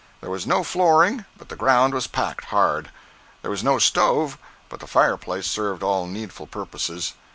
There was no flooring, but the ground was packed hard. There was no stove, but the fire place served all needful purposes.